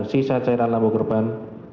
sisa cairan lambung kurban